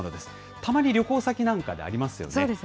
たまに旅行先なんかでありますよね。